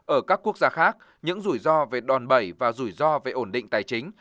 ở các quốc gia khác những rủi ro về đòn bẩy và rủi ro về ổn định tài chính